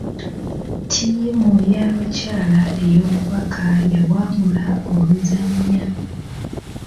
Ttiimu y'abakyala ey'okubaka yawangula oluzannya.